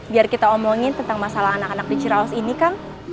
biar kita omongin tentang masalah anak anak di cirawas ini kan